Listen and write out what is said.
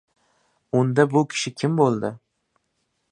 — Unda, bu kishi kim bo‘ldi?